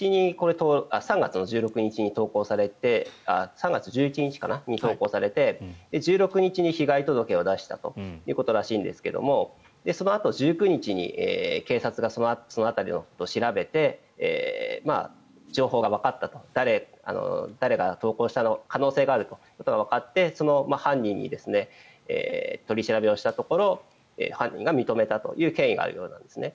そもそも３月１１日に投稿されて１６日に被害届を出したということらしいんですがそのあと１９日に警察がその辺りを調べて情報がわかったと誰が投稿した可能性があるのかということがわかって犯人に取り調べをしたところ犯人が認めたという経緯があるようなんですね。